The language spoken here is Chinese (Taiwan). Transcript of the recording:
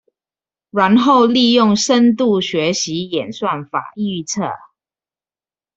然後利用深度學習演算法預測